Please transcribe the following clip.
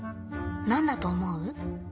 何だと思う？